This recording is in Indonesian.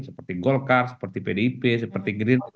seperti golkar seperti pdip seperti gerindra